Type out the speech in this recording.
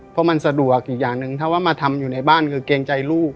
เพราะมันสะดวกอีกอย่างหนึ่งถ้าว่ามาทำอยู่ในบ้านคือเกรงใจลูก